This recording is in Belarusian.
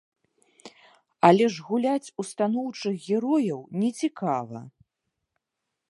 Але ж гуляць у станоўчых герояў нецікава.